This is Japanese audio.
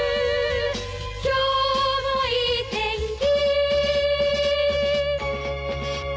「今日もいい天気」